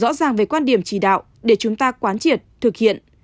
rõ ràng về quan điểm chỉ đạo để chúng ta quán triệt thực hiện